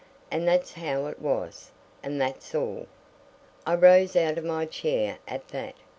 And that's how it was; and that's all." I rose out of my chair at that.